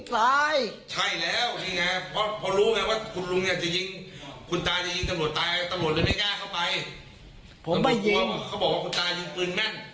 เขาบอกว่ากุญตาจะยิงปืนแม่น